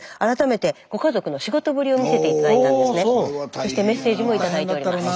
そしてメッセージも頂いております。